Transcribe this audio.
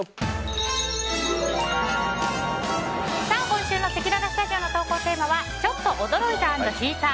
今週のせきららスタジオの投稿テーマはちょっと驚いた＆引いた！